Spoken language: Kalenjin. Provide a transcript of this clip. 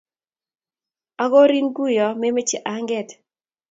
akorin kuyo memeche anget